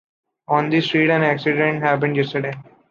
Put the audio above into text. On this street, an accident happened yesterday.